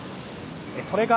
それが